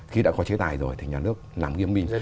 khi đã có chế tài rồi thì nhà nước làm nghiêm minh